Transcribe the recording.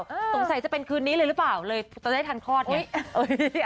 ตรงใส่จะเป็นคืนนี้เลยหรือเปล่าต้องได้ทันคลอดเนี่ย